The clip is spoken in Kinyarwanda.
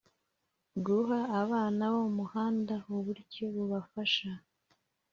Guha abana bo muhanda uburyo bubafasha